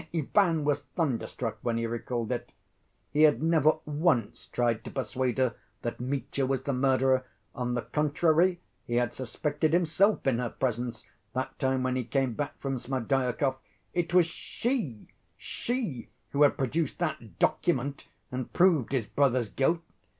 Ivan was thunderstruck when he recalled it. He had never once tried to persuade her that Mitya was the murderer; on the contrary, he had suspected himself in her presence, that time when he came back from Smerdyakov. It was she, she, who had produced that "document" and proved his brother's guilt.